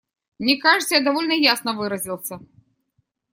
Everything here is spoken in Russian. Мне кажется, я довольно ясно выразился.